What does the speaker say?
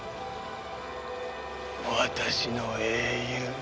私の英雄。